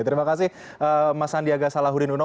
terima kasih mas sandiaga salahuddin uno